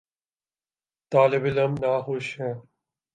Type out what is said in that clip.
طالب علم ناخوش ہیں۔